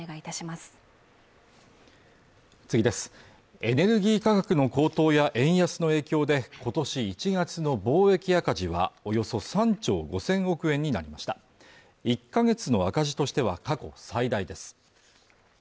エネルギー価格の高騰や円安の影響でことし１月の貿易赤字はおよそ３兆５０００億円になりました１か月の赤字としては過去最大です